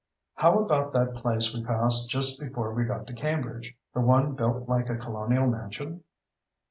"How about that place we passed just before we got to Cambridge? The one built like a Colonial mansion."